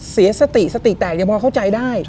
เสียสติสติแตกยังพอเข้าใจได้